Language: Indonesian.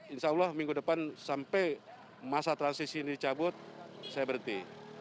insya allah minggu depan sampai masa transisi ini dicabut saya berhenti